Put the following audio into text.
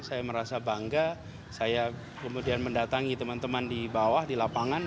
saya merasa bangga saya kemudian mendatangi teman teman di bawah di lapangan